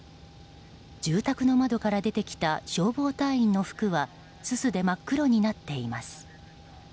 住宅の窓から出てきた消防隊員の服はすすで真っ黒になっています。